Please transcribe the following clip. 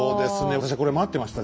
私はこれ待ってました。